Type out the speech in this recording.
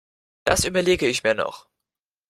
Das überlege ich mir noch.